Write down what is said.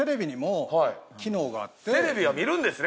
テレビは見るんですね